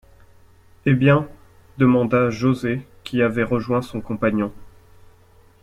Eh bien? demanda José, qui avait rejoint son compagnon